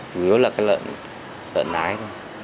chủ yếu là lợn lái thôi